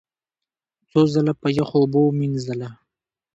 څو ځله په یخو اوبو ومینځله،